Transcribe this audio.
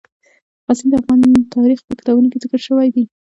غزني د افغان تاریخ په کتابونو کې ذکر شوی دي.